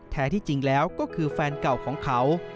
แท้ที่จริงแล้วก็คือแฟนเก่าของเขา